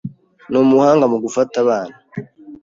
Ni umuhanga mu gufata abana.